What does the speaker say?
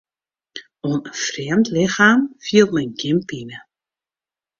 Oan in frjemd lichem fielt men gjin pine.